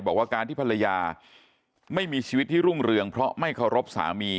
บอกว่าการที่ภรรยาไม่มีชีวิตที่รุ่งเรืองเพราะไม่เคารพสามี